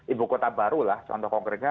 ibu kota baru lah contoh konkretnya